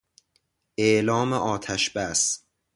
اعلام آتش بس